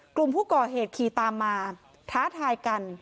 กลุ่มผู้ก่อเหตุขี่ตามมาท้าทายกัน